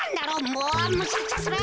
もうむしゃくしゃする！